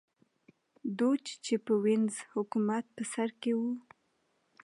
دوج چې د وینز حکومت په سر کې و